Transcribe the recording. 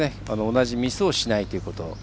同じミスをしないということ。